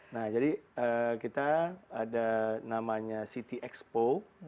nah jadi kita ada namanya city expo